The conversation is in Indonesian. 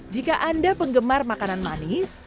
jika anda penggemar makanan manis